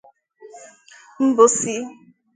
Mbọsị